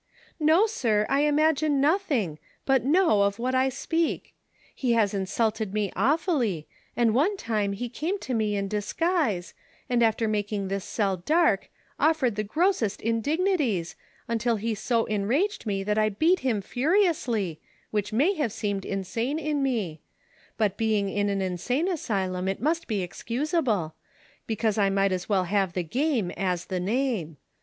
" Ko, sir ; I imagine nothing ; but know of what I speak. 126 THE SOCIAL WAR OF 1900; OR, He has insulted me awfully, and one time he came to me in dis«;uise, and after making this cell dark, ottered the grossest indignities, until he so enraged me, that I beat him furiously, which may have seemed insane in me ; but being in an insane asylum, it must be excusable ; because I miglit as well have the game as the name.